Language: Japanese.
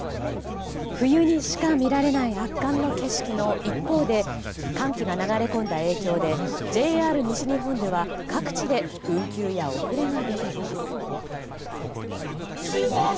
冬にしか見られない圧巻の景色の一方で寒気が流れ込んだ影響でＪＲ西日本では各地で運休や遅れが出ています。